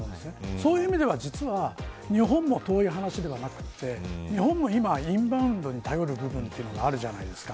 そういう意味では、実は日本も遠い話ではなくて日本も今、インバウンドに頼る部分があるじゃないですか。